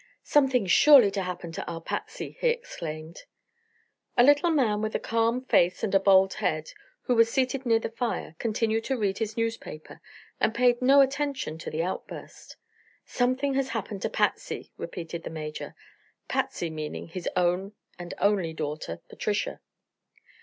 "Something's surely happened to our Patsy!" he exclaimed. A little man with a calm face and a bald head, who was seated near the fire, continued to read his newspaper and paid no attention to the outburst. "Something has happened to Patsy!" repeated the Major, "Patsy" meaning his own and only daughter Patricia.